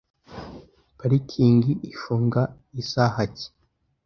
Parikingi ifunga isaha ki?